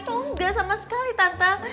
tante tau gak sama sekali tante